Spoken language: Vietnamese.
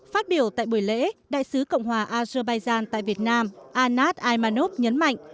phát biểu tại buổi lễ đại sứ cộng hòa azerbaijan tại việt nam anat imanov nhấn mạnh